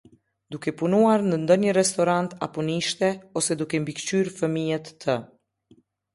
Duke punuar në ndonjë restorant a punishte, ose duke mbykëqyrë fëmijë të...